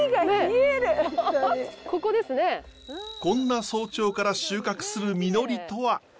こんな早朝から収穫する実りとは？